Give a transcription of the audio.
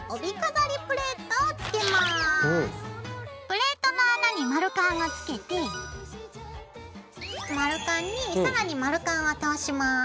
プレートの穴に丸カンを付けて丸カンに更に丸カンを通します。